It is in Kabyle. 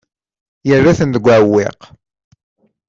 Yerra-ten deg uɛewwiq.